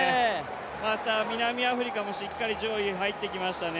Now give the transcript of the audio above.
また南アフリカもしっかり上位に入ってきましたね。